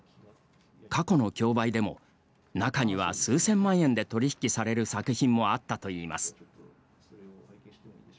過去の競売でも中には数千万円で取り引きされる作品もあったといいます。